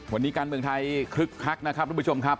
วันนี้การเมืองไทยคึกคักนะครับทุกผู้ชมครับ